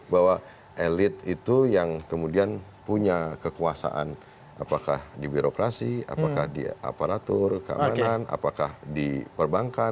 bahwa elit itu yang kemudian punya kekuasaan apakah di birokrasi apakah di aparatur keamanan apakah di perbankan